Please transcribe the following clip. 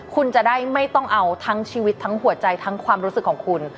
คุณจะได้ไม่ต้องเอาทั้งชีวิตทั้งหัวใจทั้งความรู้สึกของคุณ